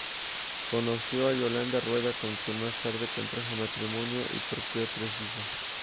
Conoció a Yolanda Rueda, con quien más tarde contrajo matrimonio y procreó tres hijos.